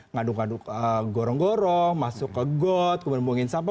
ngaduk ngaduk gorong gorong masuk ke got kemudian buangin sampah